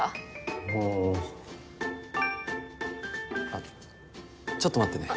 あっちょっと待ってね。